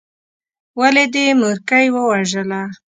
ولې دې مورکۍ ووژله.